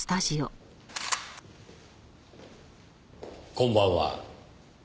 こんばんは。